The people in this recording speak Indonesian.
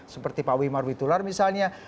seperti pak wimar witular misalnya